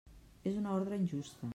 És una ordre injusta.